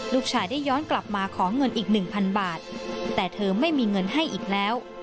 ลูกชายได้ย้อนกลับมาขอเงินอีกหนึ่งพันบาทแต่เธอไม่มีเงินให้อีกแล้ว